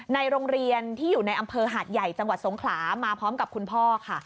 ในโรงเรียนที่อยู่ในอำเภอหาดใหญ่จังหวัดสงขลามาพร้อมกับคุณพ่อค่ะ